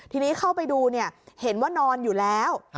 ทีนี้เข้าไปดูเห็นว่านอนอยู่แล้ว